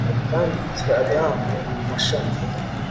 Kandi igihe Adamu mumashami